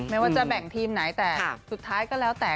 ไม่ว่าจะแบ่งทีมไหนแต่สุดท้ายก็แล้วแต่